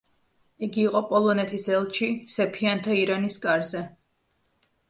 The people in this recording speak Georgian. იგი იყო პოლონეთის ელჩი სეფიანთა ირანის კარზე.